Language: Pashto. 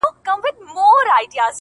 o ځه پرېږده وخته نور به مي راويښ کړم ـ